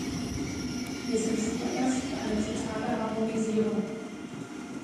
Wir sind vorerst für eine totale Harmonisierung.